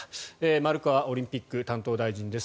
丸川オリンピック担当大臣です。